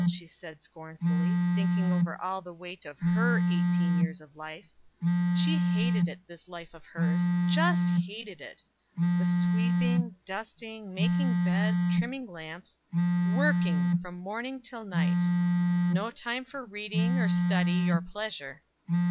she said scornfully, thinking over all the weight of her eighteen years of life; she hated it, this life of hers, just hated it the sweeping, dusting, making beds, trimming lamps, working from morning till night; no time for reading, or study, or pleasure.